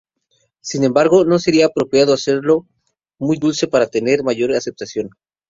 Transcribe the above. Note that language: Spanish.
Sin embargo, no sería apropiado hacerlo muy dulce para tener mayor aceptación.